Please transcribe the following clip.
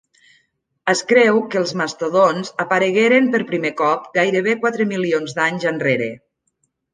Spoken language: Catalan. Es creu que els mastodonts aparegueren per primer cop gairebé quatre milions d'anys enrere.